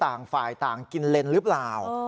ต่างฝ่ายต่างกินเลนหรือเปล่า